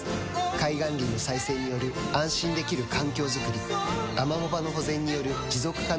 海岸林の再生による安心できる環境づくりアマモ場の保全による持続可能な海づくり